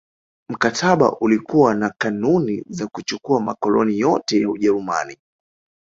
Mkataba ulikuwa na kanuni za kuchukua makoloni yote ya Ujerumani